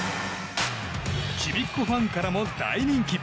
ちびっこファンからも大人気。